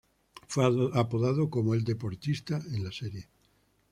Fue apodado como "el deportista" en la serie.